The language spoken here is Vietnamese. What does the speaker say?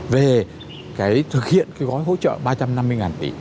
về cái thực hiện cái gói hỗ trợ ba trăm năm mươi tỷ